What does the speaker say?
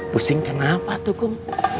pusing kenapa tuh kum